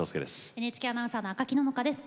ＮＨＫアナウンサーの赤木野々花です。